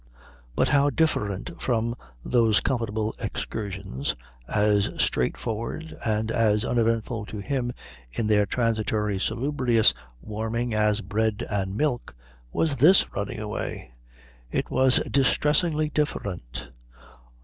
But how different from those comfortable excursions, as straightforward and as uneventful to him in their transitory salubrious warming as bread and milk, was this running away! It was distressingly different.